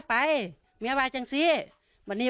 ภรรยาก็บอกว่านายเทวีอ้างว่าไม่จริงนายทองม่วนขโมย